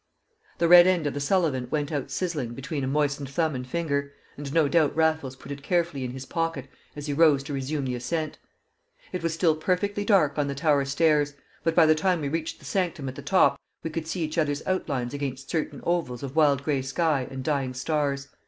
The red end of the Sullivan went out sizzling between a moistened thumb and finger, and no doubt Raffles put it carefully in his pocket as he rose to resume the ascent. It was still perfectly dark on the tower stairs; but by the time we reached the sanctum at the top we could see each other's outlines against certain ovals of wild grey sky and dying stars.